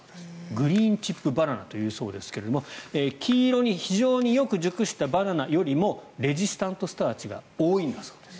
グリーンチップバナナというんだそうですが黄色に非常によく熟したバナナよりもレジスタントスターチが多いんだそうです。